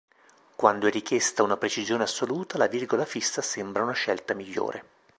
Quando è richiesta una precisione assoluta, la virgola fissa sembra una scelta migliore.